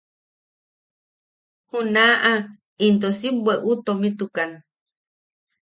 Junaʼa into si bweʼu tomitukan.